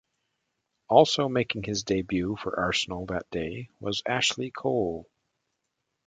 Also making his debut for Arsenal that day was Ashley Cole.